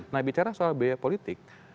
nah bicara soal biaya politik